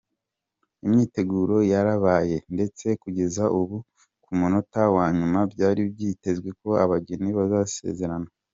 Imyiteguro yarabaye, ndetse kugeza ku munota wa nyuma byari byitezwe ko abageni basezerana.